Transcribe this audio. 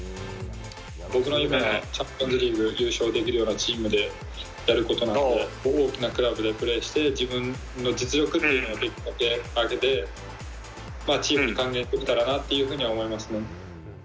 僕の夢は、チャンピオンズリーグ優勝できるようなチームでやることなんで、大きなクラブでプレーして、自分の実力を上げて、チームに還元できたらなっていうふうには思いますね。